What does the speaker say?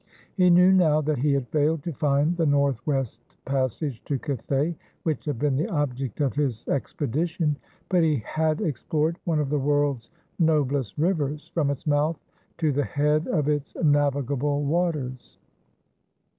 He knew now that he had failed to find the northwest passage to Cathay which had been the object of his expedition; but he had explored one of the world's noblest rivers from its mouth to the head of its navigable waters.